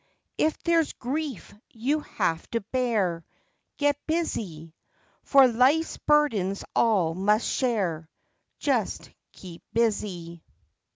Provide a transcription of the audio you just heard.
If there's grief you have to bear, Get busy. For life's burdens all must share, Just keep busy.